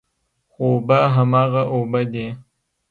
خو اوبه هماغه اوبه دي.